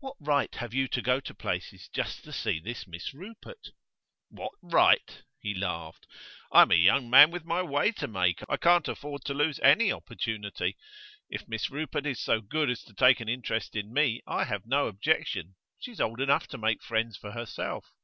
'What right have you to go to places just to see this Miss Rupert?' 'What right?' He laughed. 'I am a young man with my way to make. I can't afford to lose any opportunity. If Miss Rupert is so good as to take an interest in me, I have no objection. She's old enough to make friends for herself.